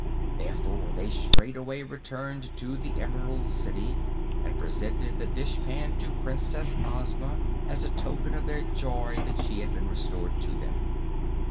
Therefore they straightway returned to the Emerald City and presented the dishpan to Princess Ozma as a token of their joy that she had been restored to them.